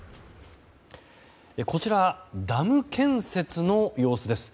こちらダム建設の様子です。